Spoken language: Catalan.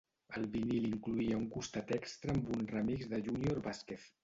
El vinil incloïa un costat extra amb un remix de Junior Vasquez.